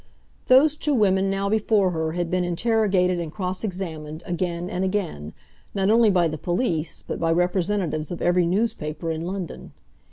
Those two women now before her had been interrogated and cross examined again and again, not only by the police, but by representatives of every newspaper in London.